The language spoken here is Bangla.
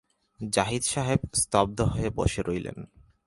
জাহিদ সাহেব স্তব্ধ হয়ে বসে রইলেন।